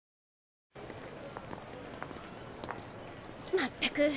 まったく！